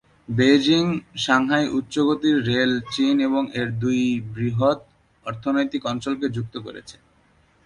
Beijing-Shanghai উচ্চগতির rail চীন এর দুই বৃহৎ অর্থনৈতিক অঞ্চলকে যুক্ত করেছে।